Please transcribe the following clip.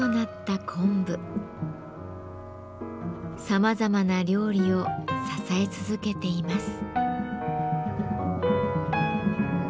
さまざまな料理を支え続けています。